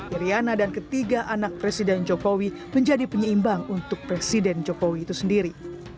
iryana dan ketiga anak presiden jokowi menjadi penyeimbang untuk presiden jokowi itu sendiri